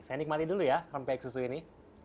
saya nikmati dulu ya rembek susu ini